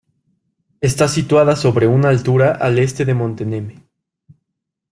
Está situada sobre una altura al este del Monte Neme.